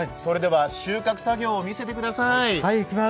収穫作業を見せてください。